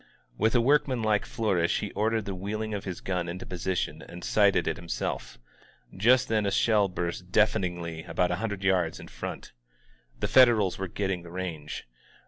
With a workmanlike flour ish he ordered the wheeling of his gun into position and sighted it himself. Just then a shell burst deaf eningly about a hundred yards in front. The Federals were getting the range.